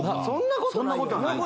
そんなことないよな。